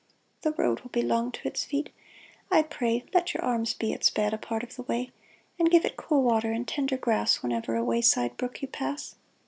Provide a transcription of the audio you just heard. " The road will be long to its feet. I pray Let your arms be its bed a part of the way ; And give it cool water and tender grass Whenever a way side brook you pass."